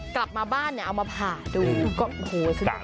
เกิดอะไรขึ้นไปดูค่ะ